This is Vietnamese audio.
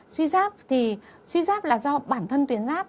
suy giáp thì suy giáp là do bản thân tuyến giáp